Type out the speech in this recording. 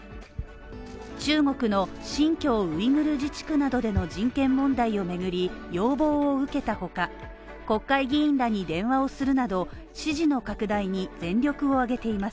注目の新疆ウイグル自治区などでの人権問題をめぐり、要望を受けたほか、国会議員らに電話をするなど支持の拡大に全力を挙げています。